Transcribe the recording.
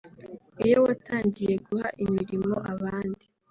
iyo watangiye guha imirimo abandi